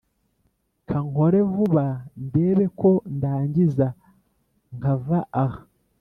Kankore vuba ndebe ko ndangiza nkava aha